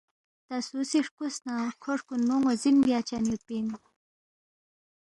تا سُو سی ہرکوُس نہ کھو ہرکُونمو ن٘وزِن بیاچن یودپی اِن